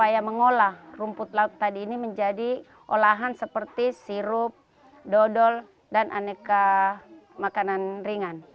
dan hasil dari pancasar